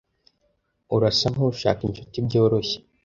Urasa nkushaka inshuti byoroshye.